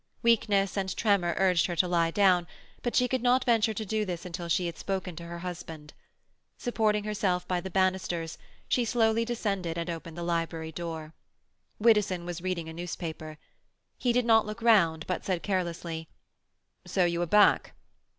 Weakness and tremor urged her to lie down, but she could not venture to do this until she had spoken to her husband. Supporting herself by the banisters, she slowly descended, and opened the library door. Widdowson was reading a newspaper. He did not look round, but said carelessly,— "So you are back?"